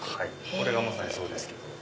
これがまさにそうですけど。